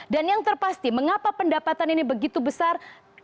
dan yang terpasti mengapa pendapatan ini begitu besar